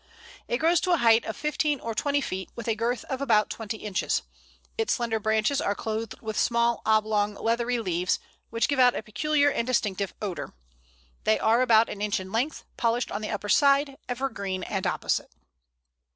It grows to a height of fifteen or twenty feet, with a girth of about twenty inches. Its slender branches are clothed with small, oblong, leathery leaves, which give out a peculiar and distinctive odour. They are about an inch in length, polished on the upper side, evergreen, and opposite.